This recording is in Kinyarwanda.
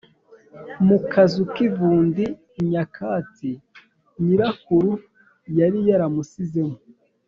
mu kazu k’ivundi nyakatsi nyirakuru yari yaramusizemo.